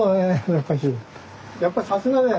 やっぱさすがだよね。